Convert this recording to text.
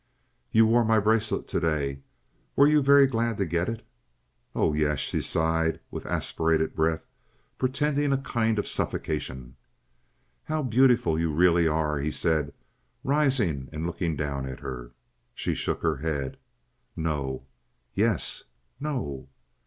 "You wore my bracelet to day. Were you very glad to get it?" "Oh yes," she sighed, with aspirated breath, pretending a kind of suffocation. "How beautiful you really are!" he said, rising and looking down at her. She shook her head. "No." "Yes!" "No."